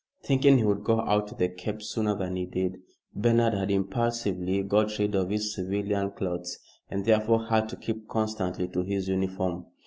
Thinking he would go out to the Cape sooner than he did, Bernard had impulsively got rid of his civilian clothes, and therefore had to keep constantly to his uniform.